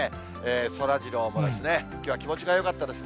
そらジローもきょうは気持ちがよかったですね。